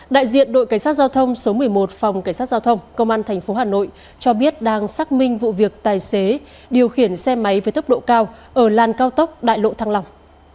đại diện đội cảnh sát giao thông số một mươi một phòng cảnh sát giao thông công an tp hà nội cho biết đang xác minh vụ việc tài xế điều khiển xe máy với tốc độ cao ở làn cao tốc đại lộ thăng long